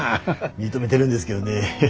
認めでるんですけどね。